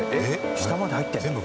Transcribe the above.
下まで入ってるの？